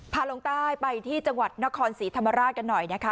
ลงใต้ไปที่จังหวัดนครศรีธรรมราชกันหน่อยนะคะ